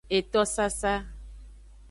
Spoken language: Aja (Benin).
Etosasa.